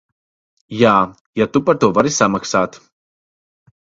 Jā, ja tu par to vari samaksāt.